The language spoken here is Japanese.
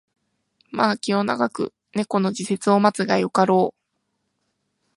まあ気を永く猫の時節を待つがよかろう